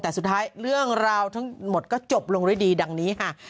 แต่สุดท้ายเรื่องราวทั้งหมดก็จบลงด้วยดีดังนี้ค่ะ